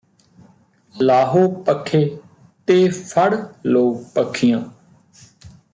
ਲਾਹੋ ਪੱਖੇ ਤੇ ਫੜ੍ਹ ਲੋ ਪੱਖੀਆਂ